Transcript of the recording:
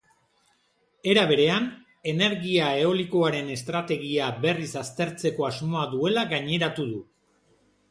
Era berean, energia eolikoaren estrategia berriz aztertzeko asmoa duela gaineratu du.